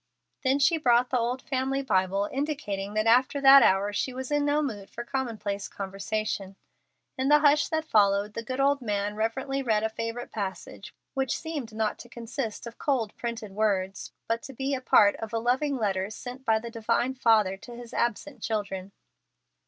Then she brought the old family Bible, indicating that after that hour she was in no mood for commonplace conversation. In the hush that followed, the good old man reverently read a favorite passage, which seemed not to consist of cold, printed words, but to be a part of a loving letter sent by the Divine Father to His absent children.